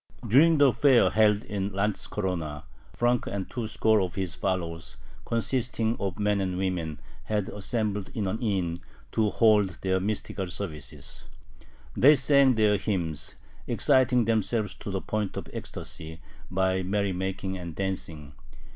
During the fair held in Lantzkorona, Frank and two score of his followers, consisting of men and women, had assembled in an inn to hold their mystical services. They sang their hymns, exciting themselves to the point of ecstasy by merrymaking and dancing.